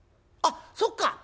「あっそっか。